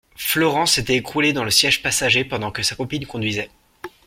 Florence s’était écroulée dans le siège passager pendant que sa copine conduisait.